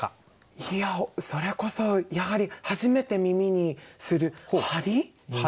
いやそれこそやはり初めて耳にする「玻璃」？